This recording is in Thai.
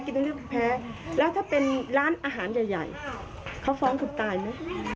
กินตรงนั้นเธอแพ้แล้วถ้าเป็นร้านอาหารใหญ่เขาฟ้องถึงตายนะ